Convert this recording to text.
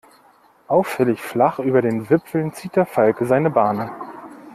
Auffällig flach über den Wipfeln zieht der Falke seine Bahnen.